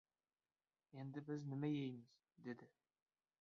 — Endi biz nima yeymiz? — dedi.